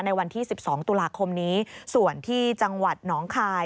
ในวันที่๑๒ตุลาคมนี้ส่วนที่จังหวัดหนองคาย